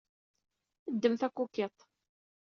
Ddem takukit.